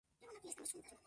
Toma su nombre de Somalia.